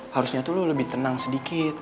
harusnya tuh lo lebih tenang sedikit